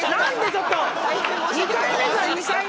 ちょっと。